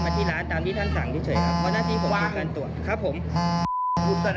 ใครแบบ